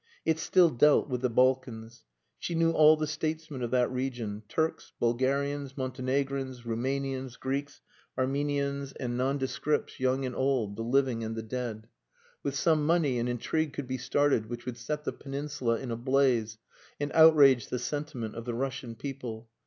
It still dealt with the Balkans. She knew all the statesmen of that region, Turks, Bulgarians, Montenegrins, Roumanians, Greeks, Armenians, and nondescripts, young and old, the living and the dead. With some money an intrigue could be started which would set the Peninsula in a blaze and outrage the sentiment of the Russian people.